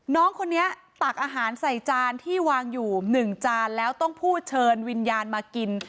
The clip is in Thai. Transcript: น้องคนนี้ตักอาหารใส่จานที่วางอยู่๑จานแล้วต้องพูดเชิญวิญญาณมากิน